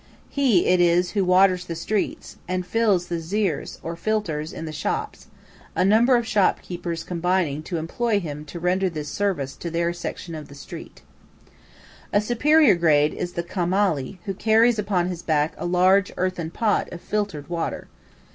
He it is who waters the streets and fills the "zīrs," or filters, in the shops, a number of shop keepers combining to employ him to render this service to their section of a street. A superior grade is the "khamali," who carries upon his back a large earthen pot of filtered water.